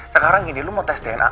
sekarang gini lo mau tes dna